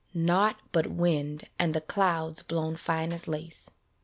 naught but wind And the clouds blown fine as lace.